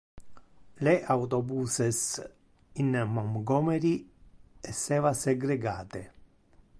Le autobuses in Montgomery esseva segregate.